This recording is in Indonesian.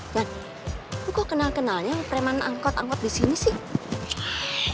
lu kok kenal kenalnya yang preman angkot angkot disini sih